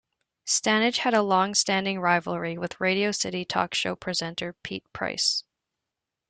Stannage had a long-standing rivalry with Radio City talk show presenter, Pete Price.